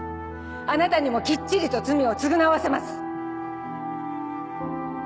あなたにもきっちりと罪を償わせます！